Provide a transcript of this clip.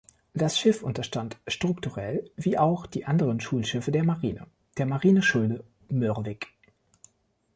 Das Schiff unterstand strukturell, wie auch die anderen Schulschiffe der Marine, der Marineschule Mürwik.